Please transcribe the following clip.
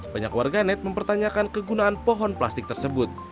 banyak warganet mempertanyakan kegunaan pohon plastik tersebut